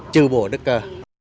trừ bổ đức cơ